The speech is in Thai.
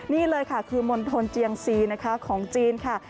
นี่เลยค่ะคือมณฑลเจียงซีนะคะของจีนค่ะ